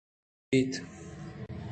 ترا کجام چیز دوست بیت؟